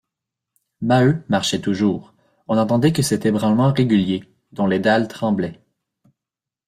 Maheu marchait toujours, on n’entendait que cet ébranlement régulier, dont les dalles tremblaient.